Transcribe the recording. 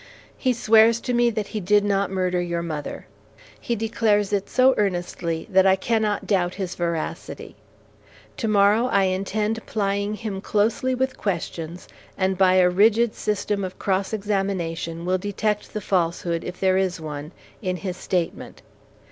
He swears to me that he did not murder your mother. He declares it so earnestly that I cannot doubt his veracity. To morrow I intend plying him closely with questions, and by a rigid system of cross examination will detect the false hood, if there is one, in his statement.